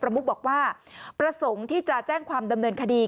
มุกบอกว่าประสงค์ที่จะแจ้งความดำเนินคดี